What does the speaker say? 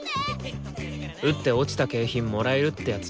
撃って落ちた景品もらえるってやつ。